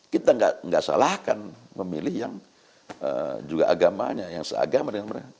kita tidak salahkan memilih yang juga agamanya yang seagama dengan mereka